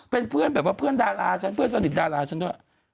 เป็นเพื่อนแบบว่าเพื่อนดาราฉันเพื่อนสนิทดาราฉันด้วย